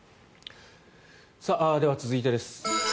では、続いてです。